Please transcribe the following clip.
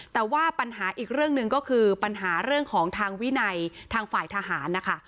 แต่ว่าปัญหาอีกเรื่องหนึ่งก็คือปัญหาเรื่องของทางวินัยทางฝ่ายทหารนะคะ